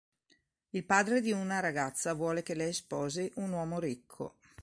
Il padre di una ragazza vuole che lei sposi un uomo ricco.